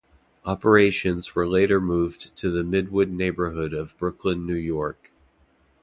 Operations were later moved to the Midwood neighborhood of Brooklyn, New York.